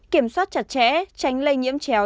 kiểm soát chặt chẽ tránh lây nhiễm chéo